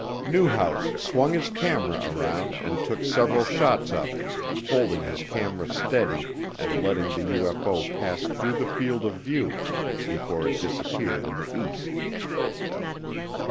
Newhouse swung his camera around and took several shots of it, holding his camera steady and letting the UFO pass through the field of view before it disappeared in the east.